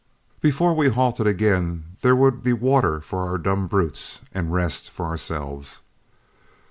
Before we halted again there would be water for our dumb brutes and rest for ourselves.